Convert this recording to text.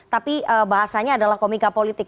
tapi bahasanya adalah komika politik